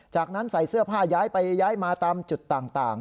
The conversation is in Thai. จากนั้นใส่เสื้อผ้าย้ายไปย้ายมาตามจุดต่าง